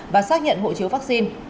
và xác nhận hộ chiếu vaccine